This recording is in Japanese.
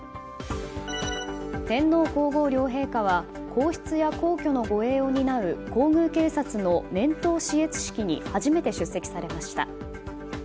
天皇・皇后両陛下は皇室や皇居の護衛を担う皇宮警察の年頭視閲式に初めて出席されました。